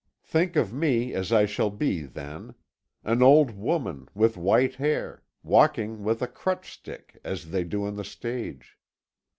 Think of me as I shall be then. An old woman, with white hair, walking with a crutch stick, as they do on the stage.